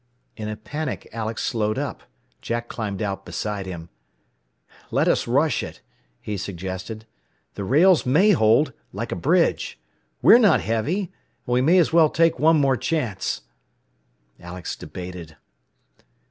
In a panic Alex slowed up. Jack climbed out beside him. "Let us rush it," he suggested. "The rails may hold like a bridge. We're not heavy. And we may as well take one more chance." Alex debated.